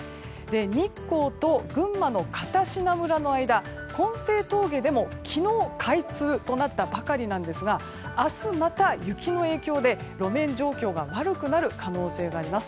日光と群馬の片品村の間金精峠でも昨日開通となったばかりなんですが明日、また雪の影響で路面状況が悪くなる可能性があります。